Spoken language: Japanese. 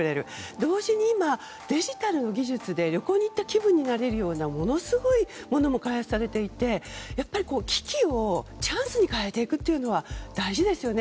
同時に今、デジタル技術で旅行に行った気分になれるようなものすごいものを開発されていて危機をチャンスに変えていくのは大事ですよね。